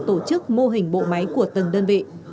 tổ chức mô hình bộ máy của từng đơn vị